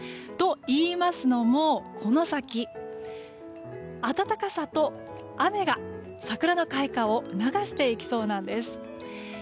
といいますのもこの先、暖かさと雨が桜の開花を促していきそうなんです。